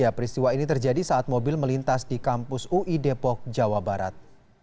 peristiwa ini terjadi saat mobil melintas di kampus ui depok jawa barat